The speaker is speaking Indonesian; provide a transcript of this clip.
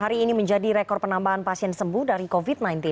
hari ini menjadi rekor penambahan pasien sembuh dari covid sembilan belas